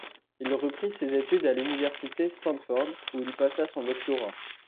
Il reprit ses études à l'université Stanford où il passa son doctorat.